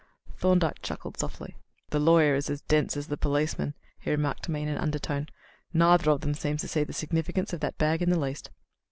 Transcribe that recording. Thorndyke chuckled softly. "The lawyer is as dense as the policeman," he remarked to me in an undertone. "Neither of them seems to see the significance of that bag in the least."